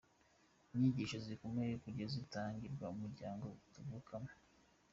Inyigisho zikomeye burya zitangirwa mu miryango tuvukamo.